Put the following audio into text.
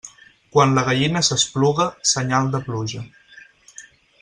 Quan la gallina s'espluga, senyal de pluja.